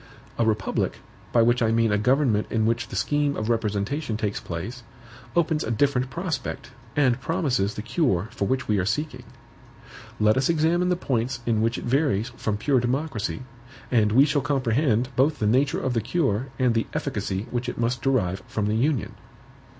A republic, by which I mean a government in which the scheme of representation takes place, opens a different prospect, and promises the cure for which we are seeking. Let us examine the points in which it varies from pure democracy, and we shall comprehend both the nature of the cure and the efficacy which it must derive from the Union.